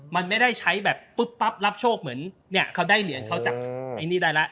มันไม่ได้ใช้แบบปุ๊บปั๊บรับโชคเหมือนเนี่ยเขาได้เหรียญเขาจากไอ้นี่ได้แล้ว